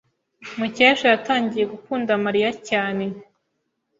Mukesha yatangiye gukunda Mariya cyane.